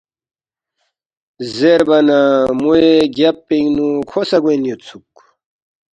زیربا نہ موے گیب پِنگ نُو کھو سہ گوین یودسُوک